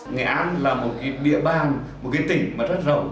nghệ an là một địa bàn một tỉnh rất rộng